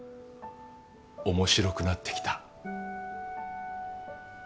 面白くなってきた。